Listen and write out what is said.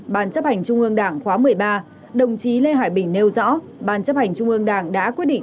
ban chấp hành trung ương đảng khóa một mươi ba đồng chí lê hải bình nêu rõ ban chấp hành trung ương đảng đã quyết định